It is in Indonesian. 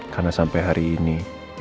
karena sampai hari ini